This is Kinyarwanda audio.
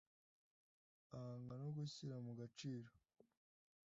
ahanga no gushyira mu gaciro